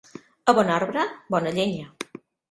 A bon arbre, bona llenya.